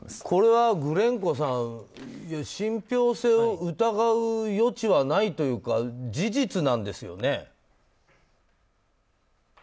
これはグレンコさん信憑性を疑う余地はないというか、事実なんですよね。